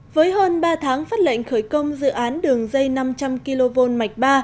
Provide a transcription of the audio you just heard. với hơn ba tháng phát lệnh khởi công dự án đường dây năm trăm linh kv mạch ba